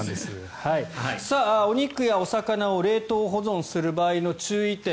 お肉やお魚を冷凍保存する場合の注意点